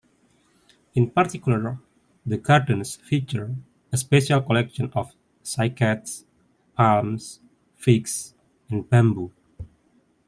In particular the Gardens feature a special collection of cycads, palms, figs and bamboo.